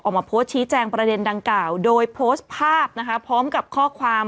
ออกมาโพสต์ชี้แจงประเด็นดังกล่าวโดยโพสต์ภาพนะคะพร้อมกับข้อความ